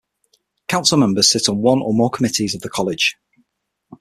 Council members sit on one or more committees of the College.